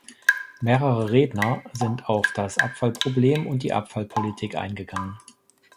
Mehrere Redner sind auf das Abfallproblem und die Abfallpolitik eingegangen.